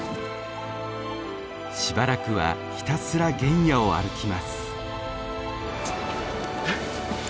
しばらくはひたすら原野を歩きます。